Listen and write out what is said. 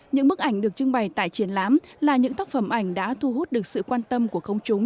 những bức ảnh được trưng bày tại triển lãm là những tác phẩm ảnh đã thu hút được sự quan tâm của công chúng